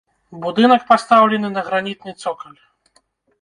Будынак пастаўлены на гранітны цокаль.